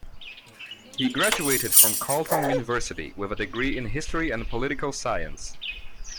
He graduated from Carleton University, with a degree in History and Political Science.